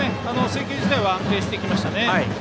制球自体は安定してきましたね。